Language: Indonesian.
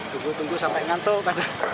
tunggu tunggu sampai ngantuk